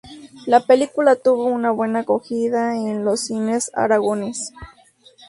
La película tuvo una buena acogida en los cines aragoneses.